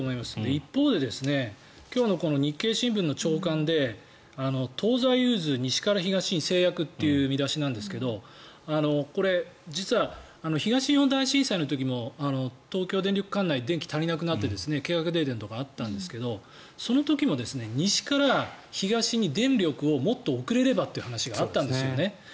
一方で、今日の日経新聞の朝刊で融通、西から東に制約という見出しなんですがこれ、実は東日本大震災の時も東京電力管内電気が足りなくなって計画停電とかあったんですけどその時も西から東に電力を送れればという話があったんです。